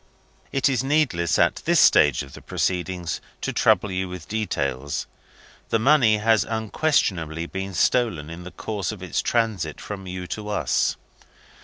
"It is needless, at this stage of the proceedings, to trouble you with details. The money has unquestionably been stolen in the course of its transit from you to us.